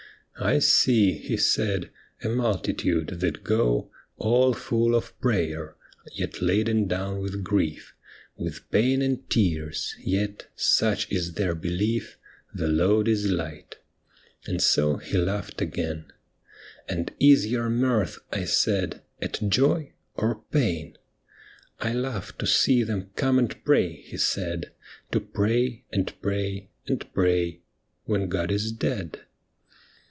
" "I see," he said, " a muhitude, that go All full of prayer, yet laden down with grief, With pain and tears, yet, such is their belief. The load is light." And so he laughed again. " And is your mirth," I said, " at joy or pain ?"" I laugh to see them come and pray," he said, " To pray, and pray, and pray, when God is dead."